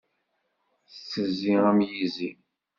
Tettezzi am yizi.